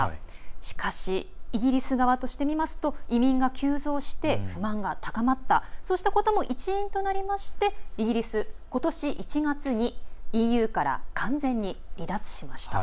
しかしイギリス側としてみますと移民が急増して不満が高まった、そうしたことも一因となりましてイギリス、ことし１月にＥＵから完全に離脱しました。